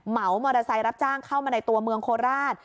เหมามอเตอร์ไซค์รับจ้างเข้ามาในตัวเมืองโคราช